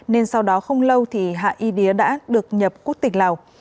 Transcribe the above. nên sau đó không lâu thì hạ y đía đã được nhập quốc tịch lào